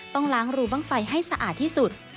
ต้องล้างรูบ้างไฟให้สะอาดที่สุด